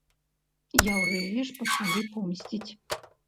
Яўрэі ж пачалі помсціць.